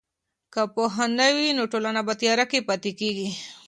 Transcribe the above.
که پوهه نه وي نو ټولنه په تیاره کې پاتې کیږي.